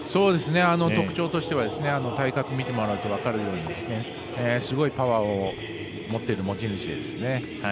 特徴としては体格見てもらえば分かるようにすごいパワーを持っている持ち主ですね。